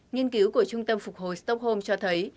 nghiên cứu của trung tâm phục hồi stockholm cho thấy